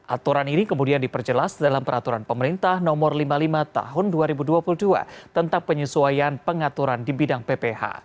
aturan ini kemudian diperjelas dalam peraturan pemerintah nomor lima puluh lima tahun dua ribu dua puluh dua tentang penyesuaian pengaturan di bidang pph